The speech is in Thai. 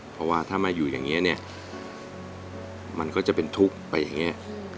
เพราะว่าถ้ามาอยู่อย่างนี้เนี่ยมันก็จะเป็นทุกข์ไปอย่างนี้